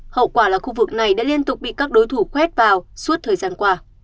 hậu quả là khu vực này đã liên tục bị các đối thủ khoét vào suốt thời gian qua